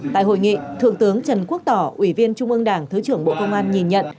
tại hội nghị thượng tướng trần quốc tỏ ủy viên trung ương đảng thứ trưởng bộ công an nhìn nhận